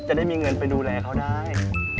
จะได้มีเงินไปดูแลเขาได้